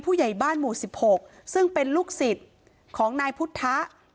ผู้ใหญ่บ้านหมู่๑๖ซึ่งเป็นลูกศิษย์ของนายพุทธะ